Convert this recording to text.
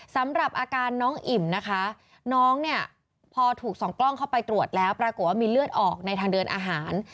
สำหรับอาการน้องอิ่มนะคะน้องเนี่ยพอถูกส่องกล้องเข้าไปตรวจแล้วปรากฏว่ามีเลือดออกในทางเดินอาหาร